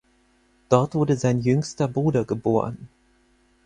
Dort wurde sein jüngster Bruder geboren.